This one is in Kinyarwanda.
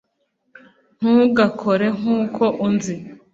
ntugakore nkuko unzi